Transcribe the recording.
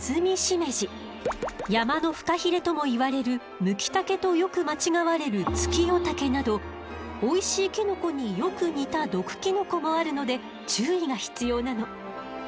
山のフカヒレともいわれるムキタケとよく間違われるツキヨタケなどおいしいキノコによく似た毒キノコもあるので注意が必要なの。